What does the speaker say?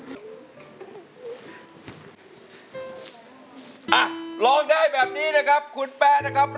อ่ะร้องได้แบบนี้นะครับคุณแป๊ะนะครับ